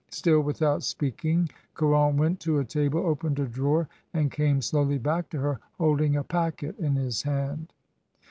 Still without speaking Caron went to a table, opened a drawer, and came slowly back to her, holding a packet in his hand.